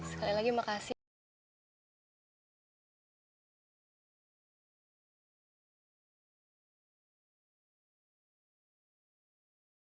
sekali lagi makasih